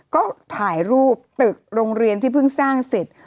ก็ถ่ายรูปตึกโรงเรียนที่เพิ่งสร้างเสร็จ